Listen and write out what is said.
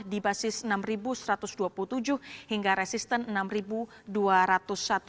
di basis enam ribu satu ratus dua puluh tujuh hingga resistant enam ribu dua ratus satu